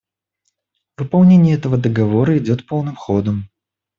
Выполнение этого Договора идет полным ходом.